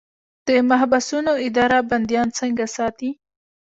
د محبسونو اداره بندیان څنګه ساتي؟